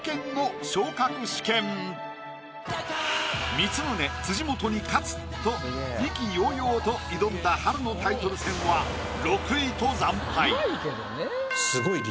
「光宗辻元に勝つ」と意気揚々と挑んだ春のタイトル戦は６位と惨敗。